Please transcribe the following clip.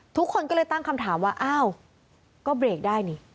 ทุกคนก็เลยตั้งคำถามว่าอ้าวก็เบรกได้นี่